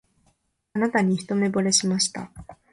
あなたに一目ぼれしました